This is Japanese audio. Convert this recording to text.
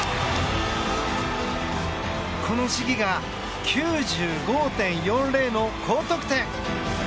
この試技が９５．４０の高得点。